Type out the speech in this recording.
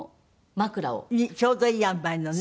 ちょうどいいあんばいのね。